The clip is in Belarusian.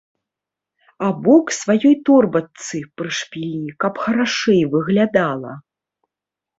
Або к сваёй торбачцы прышпілі, каб харашэй выглядала.